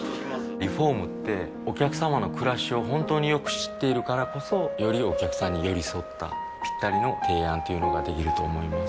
リフォームってお客様の暮らしを本当によく知っているからこそよりお客様に寄り添ったぴったりの提案というのができると思います